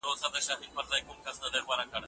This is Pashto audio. دا موضوع تر هغه بلي اسانه ده.